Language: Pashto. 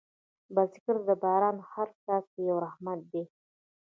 بزګر ته د باران هره څاڅکې یو رحمت دی